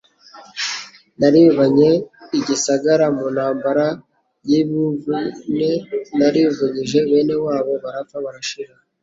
nalibanye igisagara mu ntambara y'ibuvune, narivunyije bene wabo barapfa barashira,